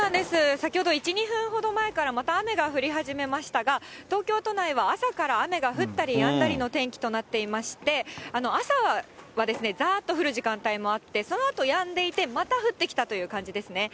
先ほど１、２分ほど前からまた雨が降り始めましたが、東京都内は朝から雨が降ったりやんだりの天気となっていまして、朝はざーっと降る時間帯もあって、そのあとやんでいて、また降ってきたという感じですね。